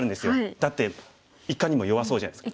だっていかにも弱そうじゃないですか。